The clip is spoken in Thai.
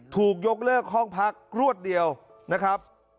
ถูกยกเลิกห้องพักรวดเดียวนะครับ